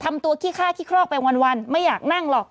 ตัวขี้ฆ่าขี้คลอกไปวันไม่อยากนั่งหรอก